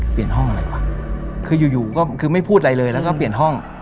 ห้องอะไรวะคืออยู่อยู่ก็คือไม่พูดอะไรเลยแล้วก็เปลี่ยนห้อง